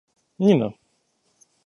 Нина